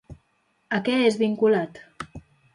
A què és vinculat?